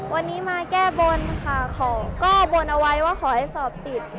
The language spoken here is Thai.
วันนี้มาแก้บนค่ะของก็บนเอาไว้ว่าขอให้สอบติด